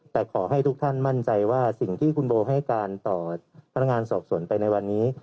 แต่ขอให้ทุกท่านมั่นใจว่าสิ่งที่คุณโบให้การต่อพนักงานสอบสวนไปในวันนี้